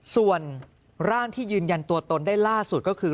ส่วนร่างที่ยืนยันตัวตนได้ล่าสุดก็คือ